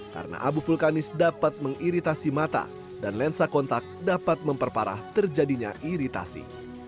karena abu vulkanis dapat mengiritasi mata dan lensa kontak dapat memperparah terjadinya iritasi